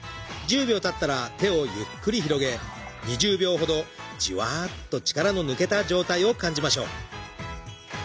１０秒たったら手をゆっくり広げ２０秒ほどじわっと力の抜けた状態を感じましょう。